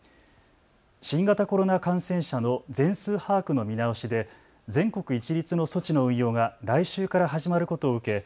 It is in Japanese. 新型コロナ感染者の全数把握の見直しで全国一律の措置の運用が来週から始まることを受け